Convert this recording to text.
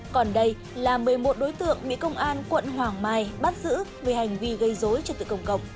còn đây là một mươi một đối tượng bị công an quận hoàng mai bắt giữ vì hành vi gây dối trật tự công cộng